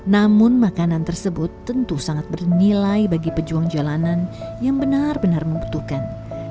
namun makanan tersebut tentu sangat bernilai bagi pejuang jalanan yang benar benar membutuhkan